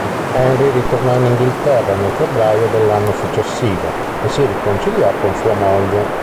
Henry ritornò in Inghilterra, nel febbraio dell'anno successivo, e si riconciliò con sua moglie.